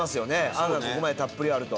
あんがここまでたっぷりあると。